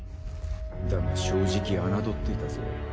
だが正直侮っていたぜ。